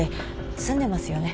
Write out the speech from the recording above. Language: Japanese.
住んでますよね。